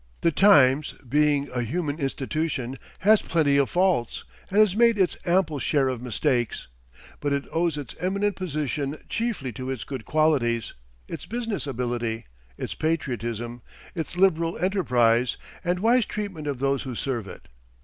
"The Times," being a human institution, has plenty of faults, and has made its ample share of mistakes; but it owes its eminent position chiefly to its good qualities, its business ability, its patriotism, its liberal enterprise, and wise treatment of those who serve it.